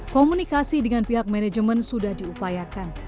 komunikasi dengan pihak manajemen sudah diupayakan